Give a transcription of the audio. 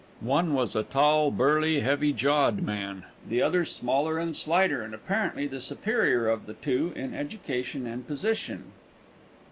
One was a tall, burly, heavy jawed man; the other smaller and slighter, and apparently the superior of the two in education and position.